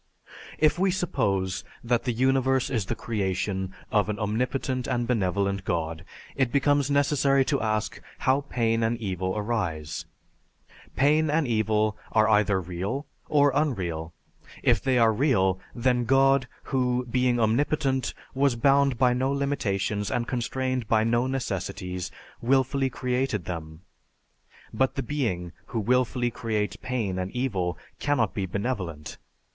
"If we suppose that the universe is the creation of an Omnipotent and Benevolent God, it becomes necessary to ask how pain and evil arise. Pain and evil are either real or unreal. If they are real then God, who, being omnipotent, was bound by no limitations and constrained by no necessities, willfully created them. But the being who willfully creates pain and evil cannot be benevolent.